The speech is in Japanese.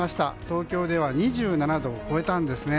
東京では２７度を超えたんですね。